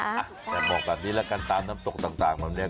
อย่าบอกแบบนี้ละกันตามน้ำตกต่างมันเนี่ย